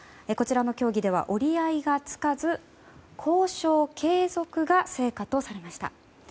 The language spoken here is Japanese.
こちらの協議では折り合いがつかず交渉継続が成果とされました。